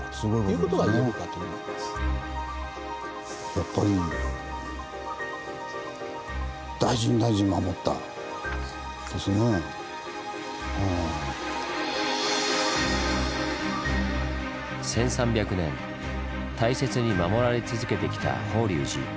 やっぱり１３００年大切に守られ続けてきた法隆寺。